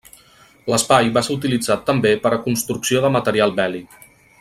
L'espai va ser utilitzat també per a construcció de material bèl·lic.